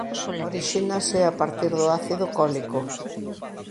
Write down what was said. Orixínase a partir do ácido cólico.